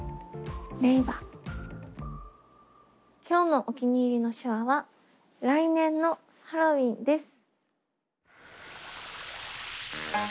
今日のお気に入りの手話は「来年のハロウィン」です。